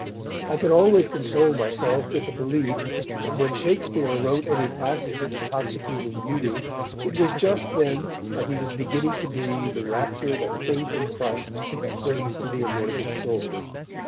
I could always console myself with the belief that when Shakespeare wrote any passage of intoxicating beauty, it was just then that he was beginning to breathe the rapture that faith in Christ brings to the anointed soul.